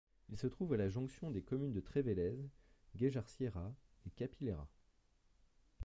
Il se trouve à la jonction des communes de Trevélez, Güéjar-Sierra et Capileira.